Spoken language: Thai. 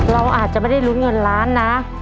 เราอาจจะไม่ได้ลุ้นเงินล้านนะ